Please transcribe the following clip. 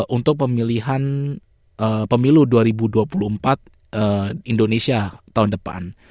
untuk pemilihan pemilu dua ribu dua puluh empat indonesia tahun depan